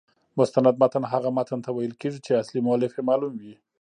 مستند متن هغه متن ته ویل کیږي، چي اصلي مؤلف يې معلوم يي.